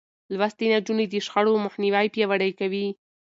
لوستې نجونې د شخړو مخنيوی پياوړی کوي.